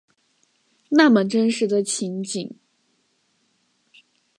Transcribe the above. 那么真实的情景